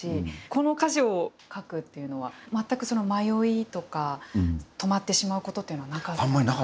この歌詞を書くっていうのは全くその迷いとか止まってしまうことというのはなかったですか。